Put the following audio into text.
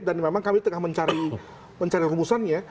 dan memang kami tengah mencari rumusannya